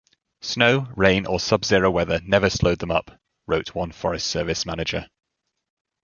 'Snow, rain, or sub-zero weather never slowed them up,' wrote one Forest Service manager.